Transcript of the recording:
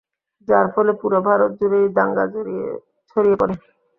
যার ফলে পুরো ভারত জুড়েই দাঙ্গা ছড়িয়ে পড়ে।